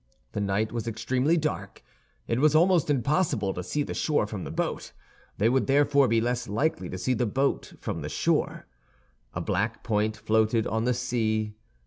The night was extremely dark. It was almost impossible to see the shore from the boat; they would therefore be less likely to see the boat from the shore. A black point floated on the sea.